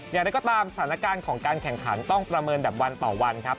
อย่างไรก็ตามสถานการณ์ของการแข่งขันต้องประเมินแบบวันต่อวันครับ